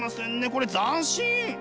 これ斬新！